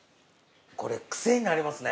これクセになりますね。